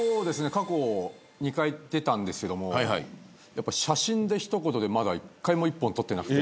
過去２回出たんですけども写真で一言でまだ１回も一本取ってなくて。